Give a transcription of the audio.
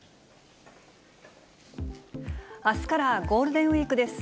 あすからゴールデンウィークです。